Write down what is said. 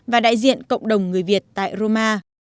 và đại diện cộng đồng người việt tại roma